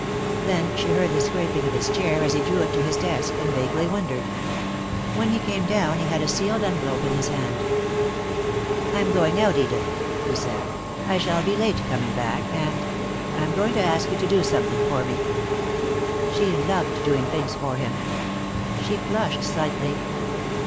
Then she heard the scraping of his chair as he drew it to his desk, and vaguely wondered. When he came down he had a sealed envelope in his hand. "I am going out, Edith," he said. "I shall be late getting back, and I am going to ask you to do something for me." She loved doing things for him. She flushed slightly.